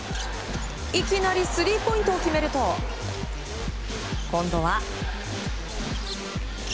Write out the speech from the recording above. いきなりスリーポイントを決めると、今度は。